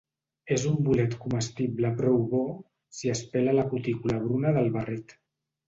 És un bolet comestible prou bo si es pela la cutícula bruna del barret.